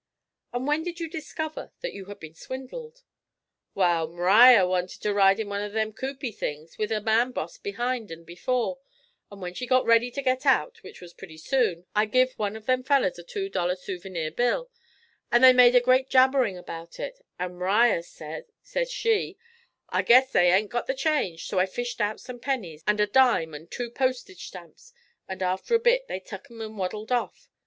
'And when did you discover that you had been swindled?' 'Wal, M'riar wanted to ride in one of them coopy things with a man hoss behind and before; and when she got ready to get out, which was purty soon, I give one of them fellers a two dollar soovyneer bill, but they made a great jabbering about it, and M'riar says, says she, "I guess they ain't got the change;" so I fished out some pennies, and a dime and two postage stamps, and after a bit they tuk 'em and waddled off.